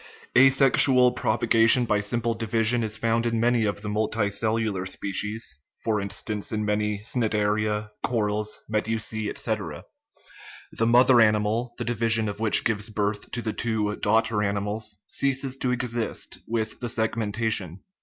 A sexual propagation by simple division is found in many of the multicellular species (for instance, in many cnidaria, corals, medusae, etc.); the mother animal, the division of which gives birth to the two daugh ter animals, ceases to exist with the segmentation.